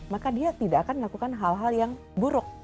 maka dia tidak akan melakukan hal hal yang buruk